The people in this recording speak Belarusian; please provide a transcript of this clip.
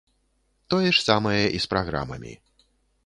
Тое ж самае і з праграмамі.